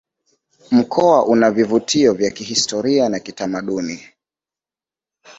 mkoa una vivutio vya kihistoria na kitamaduni